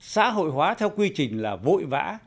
xã hội hóa theo quy trình là vội vã